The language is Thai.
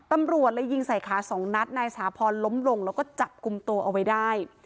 ตำรวจเลยยิงใส่ขาสองนัดนายสาพรล้มลงแล้วก็จับกลุ่มตัวเอาไว้ได้